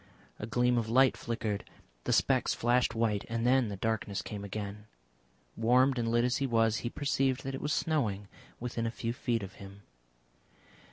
A gleam of light flickered, the specks flashed white, and then the darkness came again. Warmed and lit as he was, he perceived that it was snowing within a few feet of him.